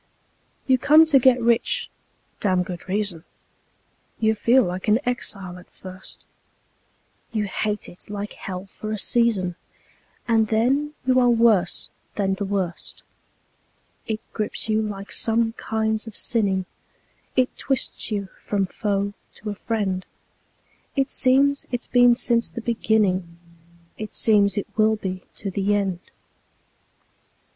You come to get rich (damned good reason); You feel like an exile at first; You hate it like hell for a season, And then you are worse than the worst. It grips you like some kinds of sinning; It twists you from foe to a friend; It seems it's been since the beginning; It seems it will be to the end.